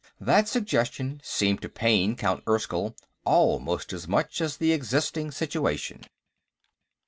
That suggestion seemed to pain Count Erskyll almost as much as the existing situation.